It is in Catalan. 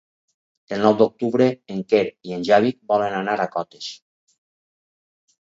El nou d'octubre en Quer i en Xavi volen anar a Cotes.